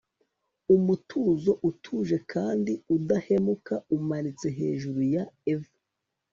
Umutuzo utuje kandi udahumeka umanitse hejuru ya eve